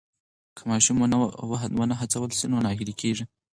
که ماشوم ونه هڅول سي نو ناهیلی کېږي.